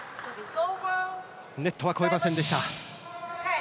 ネットは越えませんでした。